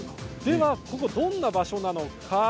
ここ、どんな場所なのか